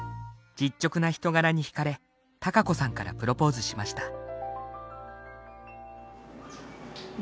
実直な人柄にひかれ孝子さんからプロポーズしました。